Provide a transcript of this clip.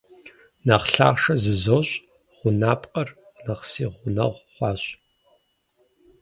Нэхъ лъахъшэ зызощӀ — гъунапкъэр нэхъ си гъунэгъу хъуащ.